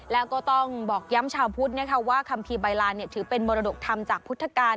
แล้วก็ต้องบอกย้ำชาวพุทธว่าคำภีร์ใบร้านถือเป็นบรรดกฐรรมจากพุทธกาล